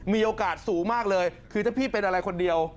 มีโอกาสสูงมากเลยคือถ้าพี่เป็นอะไรคนเดียว